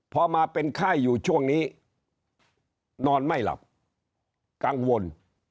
พอมาเป็นไข้อยู่ช่วงนี้นอนไม่หลับกังวล